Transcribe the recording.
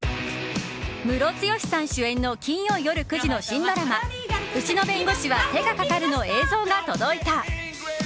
ムロツヨシさん主演の金曜夜９時の新ドラマ「うちの弁護士は手がかかる」の映像が届いた。